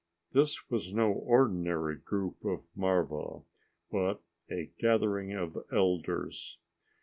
This was no ordinary group of marva, but a gathering of elders.